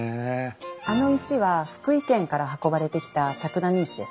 あの石は福井県から運ばれてきた笏谷石です。